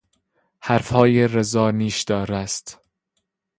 حرفهای رضا نیشدار است.